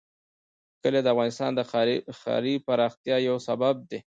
کلي د افغانستان د ښاري پراختیا یو سبب دی.